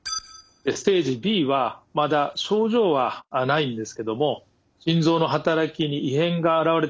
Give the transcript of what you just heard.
ステージＢはまだ症状はないんですけども心臓の働きに異変が現れてきた状況です。